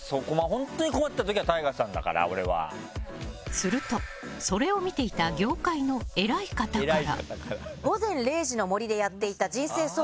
すると、それを見ていた業界の偉い方から。